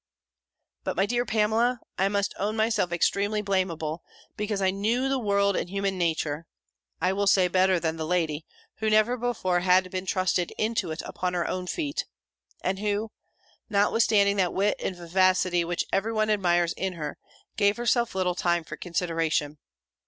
"But, my dear Pamela, I must own myself extremely blameable, because I knew the world and human nature, I will say, better than the lady, who never before had been trusted into it upon her own feet: and who, notwithstanding that wit and vivacity which every one admires in her, gave herself little time for consideration.